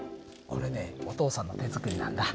これねお父さんの手作りなんだ。